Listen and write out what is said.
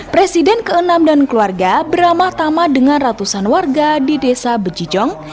presiden ke enam dan keluarga beramah tama dengan ratusan warga di desa bejijong